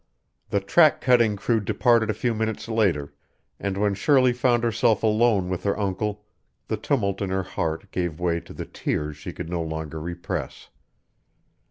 The track cutting crew departed a few minutes later, and when Shirley found herself alone with her uncle, the tumult in her heart gave way to the tears she could no longer repress.